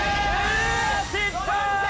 失敗。